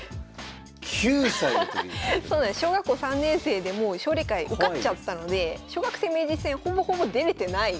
小学校３年生でもう奨励会受かっちゃったので小学生名人戦ほぼほぼ出れてない。